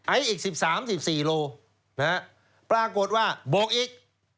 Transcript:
ไออีก๑๓๑๔โลนะครับปรากฏว่าบอกอีก